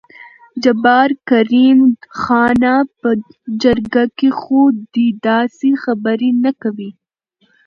جبار: کريم خانه په جرګه کې خو دې داسې خبرې نه کوې.